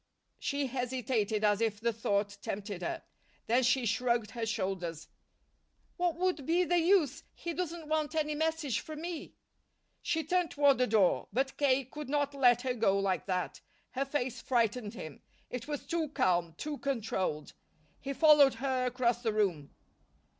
She hesitated, as if the thought tempted her. Then she shrugged her shoulders. "What would be the use? He doesn't want any message from me." She turned toward the door. But K. could not let her go like that. Her face frightened him. It was too calm, too controlled. He followed her across the room.